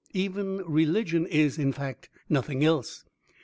Even Religion is, in fact, nothing else.